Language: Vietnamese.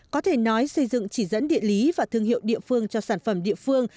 có thể nói xây dựng chỉ dẫn địa lý và thương hiệu địa phương cho sản phẩm địa phương